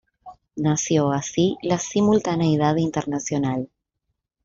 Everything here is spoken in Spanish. Nació, así, la simultaneidad internacional.